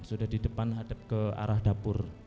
sudah di depan hadap ke arah dapur